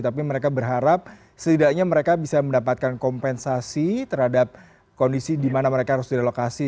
tapi mereka berharap setidaknya mereka bisa mendapatkan kompensasi terhadap kondisi di mana mereka harus direlokasi